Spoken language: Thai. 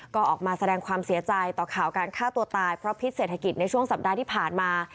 ก็ออกมาแสดงความเสียใจต่อข่าวการฆ่าตัวตายเพราะพิษเศรษฐกิจในช่วงสัปดาห์ที่ผ่านมา